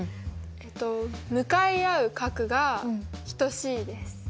えっと向かい合う角が等しいです。